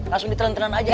langsung ditelan telan aja